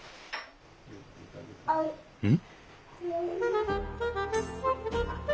うん？